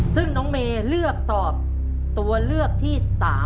ซึ่งน้องเมย์เลือกตอบตัวเลือกที่๓